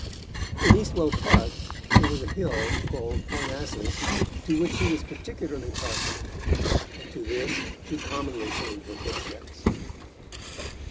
In Eastwell Park there was a hill, called Parnassus, to which she was particularly partial, and to this she commonly turned her footsteps.